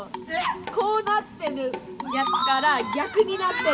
こうなってるやつから逆になってる。